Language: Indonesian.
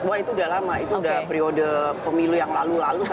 wah itu udah lama itu sudah periode pemilu yang lalu lalu